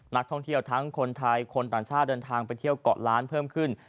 นักท่องเที่ยวทั้งคนไทยคนต่างชาติเดินทางไปเที่ยวเกาะล้านเพิ่มขึ้น